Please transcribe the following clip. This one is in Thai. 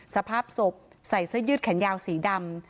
สภาพศพใส่เสื้อยืดแขนยาวสีดำ